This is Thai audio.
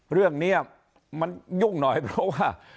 เรื่องนี้มันยุ่งหน่อยเพราะว่า